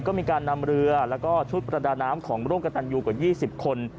ก็มีการนำเรือแล้วก็ชุดประดาน้ำของร่วมกับตันยูกว่า๒๐คน